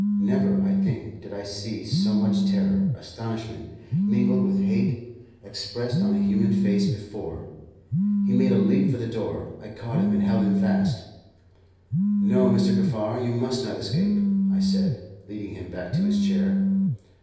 Never, I think, did I see so much terror, astonishment, mingled with hate, expressed on a human face before. He made a leap for the door. I caught him, and held him fast. "No, Mr. Kaffar, you must not escape," I said, leading him back to his chair.